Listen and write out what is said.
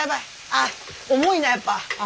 あっ重いなやっぱ。